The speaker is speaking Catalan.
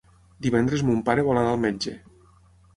Divendres mon pare vol anar al metge.